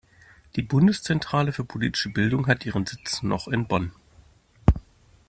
Die Bundeszentrale für politische Bildung hat ihren Sitz noch in Bonn.